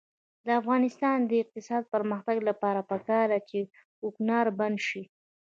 د افغانستان د اقتصادي پرمختګ لپاره پکار ده چې کوکنار بند شي.